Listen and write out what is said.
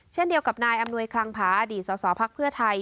เช่นเดียวกับนายอำนวยคลังพาอดีตศพเพื่อไทย